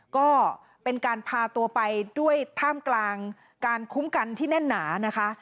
ก็เป็นการพาตัวไปด้วยท่ามกลางการคุ้มกันที่แน่นหนานะคะ